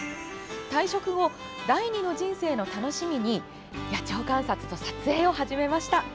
退職後、第２の人生の楽しみに野鳥観察と撮影を始めました。